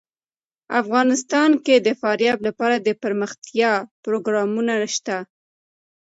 افغانستان کې د فاریاب لپاره دپرمختیا پروګرامونه شته.